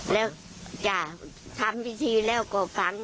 แล้วก็ฟังจ้ะทำวิธีแล้วก็ฟัง